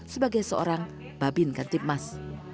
sebagai seorang babinkan tipmas